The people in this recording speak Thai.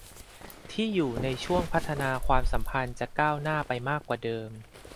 ที่อยู่ในช่วงพัฒนาความสัมพันธ์จะก้าวหน้าไปมากกว่าเดิม